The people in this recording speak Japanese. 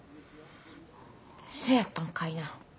そやったんかいな。